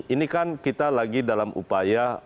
ini kan kita lagi dalam upaya